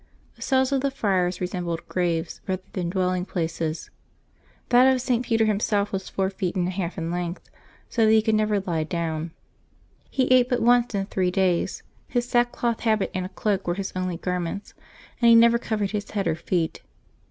The cells of the friars resem bled graves rather than dwelling places. That of St. Peter himself was four feet and a half in length, so that he could never lie down; he ate but once in three days; his sack cloth habit and a cloak were his only garments, and he never covered his head or feet.